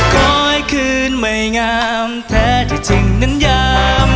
คืนไม่งามแท้ที่จริงนั้นยาม